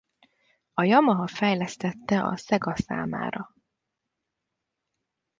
A Yamaha fejlesztette a Sega számára.